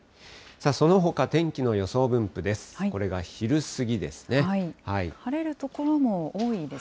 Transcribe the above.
そのほか、天気の予想分布です。